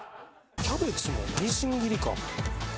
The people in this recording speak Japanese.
キャベツもみじん切りか。